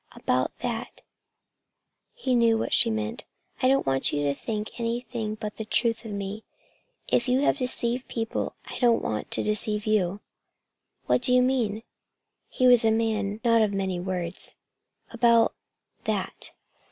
"About that" he knew what she meant "I don't want you to think anything but the truth of me. If you have deceived people, I don't want to deceive you." "What do you mean?" He was a man of not very many words. "About that!"